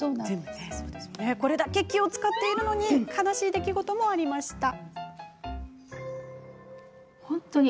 これだけ気を遣っているのに悲しい出来事もありました。